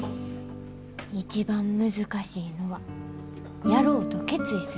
「一番難しいのはやろうと決意すること。